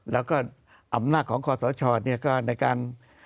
แล้วก็อ่ำนักของคอสชก็ในการ